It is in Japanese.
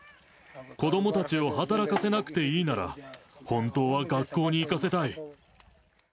子どもたちを働かせなくていいなら、本当は学校に行かせたい。